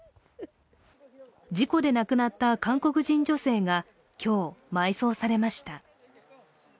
事故で亡くなった韓国人女性が今日、埋葬されました。